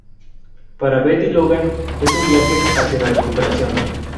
Para Beth y Logan, es un viaje hacia la recuperación".